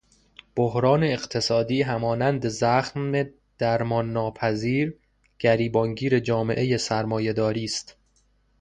بحران اقتصادی همانند زخم درمان ناپذیر گریبان گیر جامعهُ سرمایه داری است.